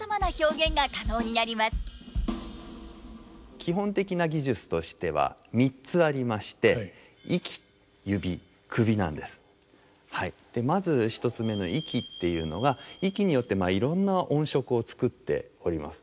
基本的な技術としては３つありましてまず１つ目の息っていうのが息によっていろんな音色を作っております。